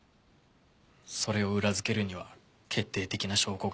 それを裏付けるには決定的な証拠が必要だったから。